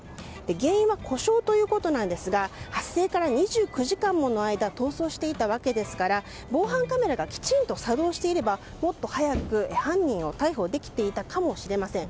原因は故障ということですが発生から２９時間もの間逃走していたわけですから防犯カメラがきちんと作動していればもっと早く犯人を逮捕できていたかもしれません。